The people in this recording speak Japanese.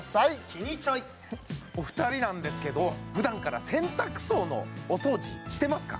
キニチョイお二人なんですけど普段から洗濯槽のお掃除してますか？